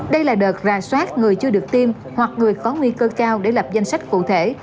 đây là đợt ra soát người chưa được tiêm hoặc người có nguy cơ cao để lập danh sách cụ thể